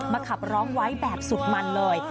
ขับร้องไว้แบบสุดมันเลย